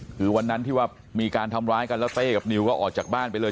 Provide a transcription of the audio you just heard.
คือวันนั้นที่ว่ามีการทำร้ายกันแล้วเต้กับนิวก็ออกจากบ้านไปเลย